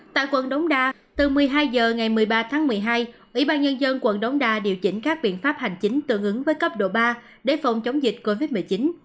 tại quận đống đa từ một mươi hai h ngày một mươi ba tháng một mươi hai ủy ban nhân dân quận đống đa điều chỉnh các biện pháp hành chính tương ứng với cấp độ ba để phòng chống dịch covid một mươi chín